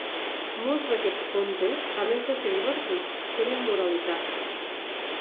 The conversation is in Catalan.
Molts d'aquests contes, a més de ser divertits, tenen moralitat.